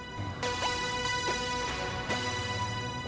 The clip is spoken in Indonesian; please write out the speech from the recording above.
udah tua semua pak